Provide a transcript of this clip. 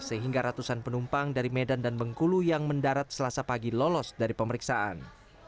sehingga ratusan penumpang dari medan dan bengkulu yang mendarat selasa pagi lolos dari pemeriksaan